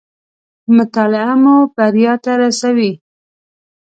مطالعه مو بريا ته راسوي